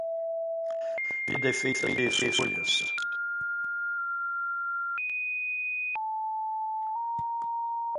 A vida é feita de escolhas.